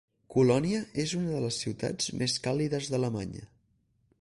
Colònia és una de les ciutats més càlides d'Alemanya.